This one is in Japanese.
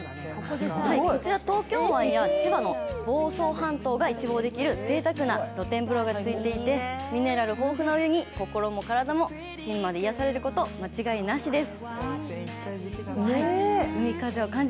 こちら、東京湾や千葉の房総半島が一望できるぜいたくな露天風呂がついていてミネラル豊富なお湯に心も体も芯まで癒されること間違いなしです。